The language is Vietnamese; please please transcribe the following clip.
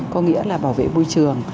có nghĩa là bảo vệ môi trường